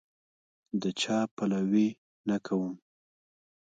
د چا پلوی نه کوم.